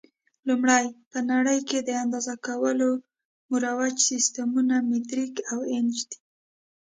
لومړی: په نړۍ کې د اندازه کولو مروج سیسټمونه مټریک او انچ دي.